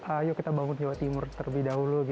ayo kita bangun jawa timur terlebih dahulu